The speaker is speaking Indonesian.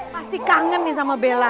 pasti kangen nih sama bella